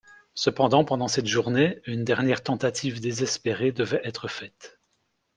Cependant, pendant cette journée, une dernière tentative désespérée devait être faite.